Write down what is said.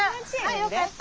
よかった。